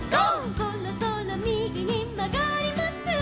「そろそろみぎにまがります」